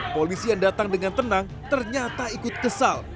polisi yang datang dengan tenang ternyata ikut kesal